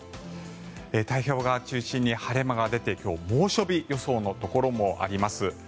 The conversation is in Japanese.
太平洋側中心に晴れ間が出て今日、猛暑日予想のところもあります。